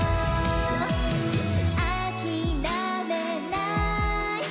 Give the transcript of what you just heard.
「あきらめない！」